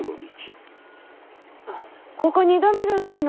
ここ２度目じゃないの？